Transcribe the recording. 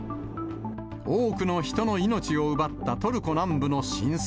多くの人の命を奪ったトルコ南部の震災。